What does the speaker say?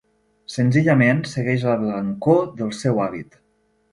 Senzillament segueix la blancor del seu hàbit.